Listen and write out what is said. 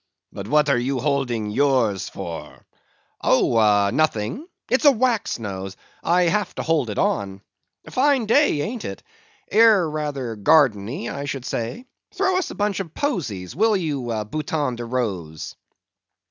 "But what are you holding yours for?" "Oh, nothing! It's a wax nose; I have to hold it on. Fine day, ain't it? Air rather gardenny, I should say; throw us a bunch of posies, will ye, Bouton de Rose?"